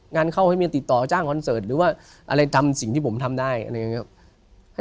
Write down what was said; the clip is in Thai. งานเข้าให้เมียติดต่อจ้างคอนเสิร์ตหรือว่าอะไรทำสิ่งที่ผมทำได้